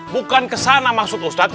bukan ke sana maksud ustadz